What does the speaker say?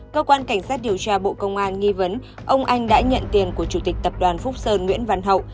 cơ quan cảnh sát điều tra bộ công an nghi vấn ông anh đã nhận tiền của chủ tịch tập đoàn phúc sơn nguyễn văn hậu